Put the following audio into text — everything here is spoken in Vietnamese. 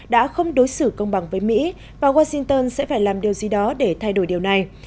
đã không đối xử công bằng với mỹ và washington sẽ phải làm điều gì đó để thay đổi điều này